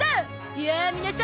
いやあ皆さん